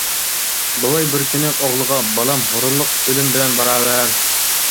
بوۋاي بىر كۈنى ئوغلىغا:-بالام، ھۇرۇنلۇق ئۆلۈم بىلەن باراۋەر.